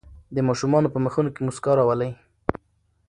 د ماشومانو په مخونو کې مسکا راولئ.